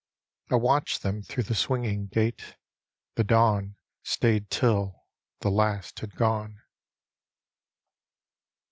I viratched diem through the swinging gate — the dawn Stayed till the last had gone.